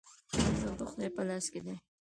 رزق د خدای په لاس کې دی